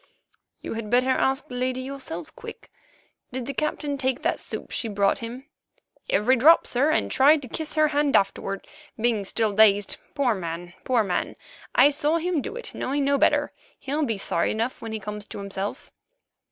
"You had better ask the lady herself, Quick. Did the Captain take that soup she brought him?" "Every drop, sir, and tried to kiss her hand afterward, being still dazed, poor man, poor man! I saw him do it, knowing no better. He'll be sorry enough when he comes to himself."